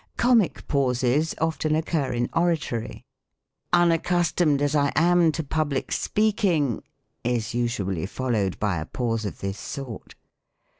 Comic Pauses often occur in Oratory. '' Unaccus tomed as I am to public speaking," is usually followed by a pause of this sort.